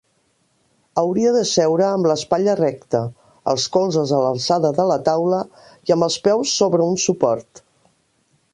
Hauria de seure amb l'espatlla recta, els colzes a l'alçada de la taula i amb els peus sobre un suport.